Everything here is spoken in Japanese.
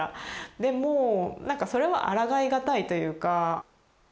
でもなんかそれはあらがい難いというか。